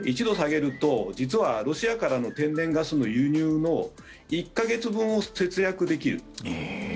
１度下げると、実はロシアからの天然ガスの輸入の１か月分を節約できる。